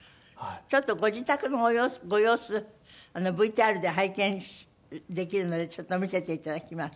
ちょっとご自宅のご様子ＶＴＲで拝見できるのでちょっと見せて頂きます。